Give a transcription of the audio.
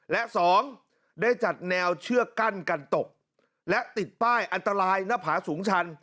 และสองได้จัดแนวเชือกกั้นกันตกและติดป้ายอันตรายหน้าผาสูงชัน